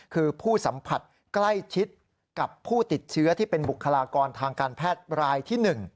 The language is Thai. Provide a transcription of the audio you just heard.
คือผู้สัมผัสใกล้ชิดกับผู้ติดเชื้อที่เป็นบุคลากรทางการแพทย์รายที่๑